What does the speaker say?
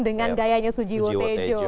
dengan gayanya sujiwo tejo